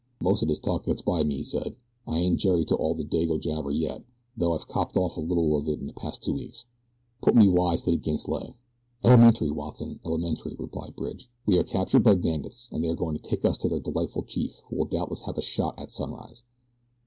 "Most of this talk gets by me," he said. "I ain't jerry to all the Dago jabber yet, though I've copped off a little of it in the past two weeks. Put me wise to the gink's lay." "Elementary, Watson, elementary," replied Bridge. "We are captured by bandits, and they are going to take us to their delightful chief who will doubtless have us shot at sunrise."